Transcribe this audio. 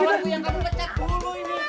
kamu pecak dulu ini